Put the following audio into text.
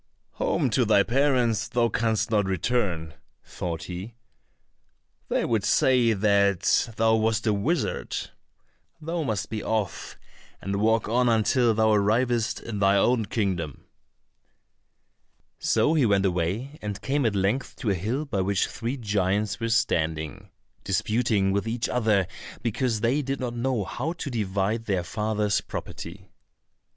"Home to thy parents thou canst not return," thought he, "they would say that thou wast a wizard; thou must be off, and walk on until thou arrivest in thine own kingdom." So he went away and came at length to a hill by which three giants were standing, disputing with each other because they did not know how to divide their father's property.